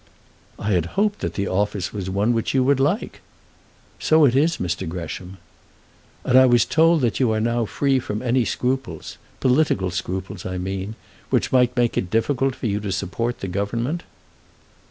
"I had hoped that the office was one which you would like." "So it is, Mr. Gresham." "And I was told that you are now free from any scruples, political scruples, I mean, which might make it difficult for you to support the Government."